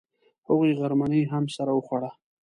هغوی غرمنۍ هم سره وخوړه.